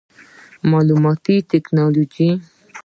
معلوماتي ټکنالوجي